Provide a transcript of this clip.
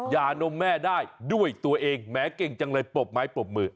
ยานมแม่ได้ด้วยตัวเองแม้เก่งจังเลยปรบไม้ปรบมือ